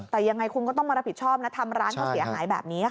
แต่ยังไงคุณก็ต้องมารับผิดชอบนะทำร้านเขาเสียหายแบบนี้ค่ะ